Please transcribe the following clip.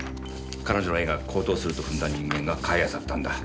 彼女の絵が高騰すると踏んだ人間が買いあさったんだ。